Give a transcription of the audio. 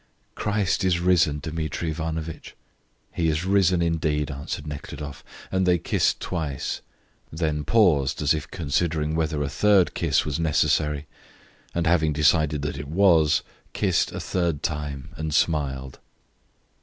"Christ is risen, Dmitri Ivanovitch." "He is risen, indeed," answered Nekhludoff, and they kissed twice, then paused as if considering whether a third kiss were necessary, and, having decided that it was, kissed a third time and smiled.